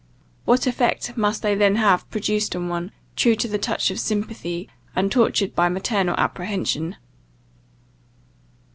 What effect must they then have produced on one, true to the touch of sympathy, and tortured by maternal apprehension!